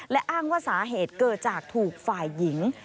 และอ้างว่าสาเหตุเกิดจากถูกฝ่ายหญิง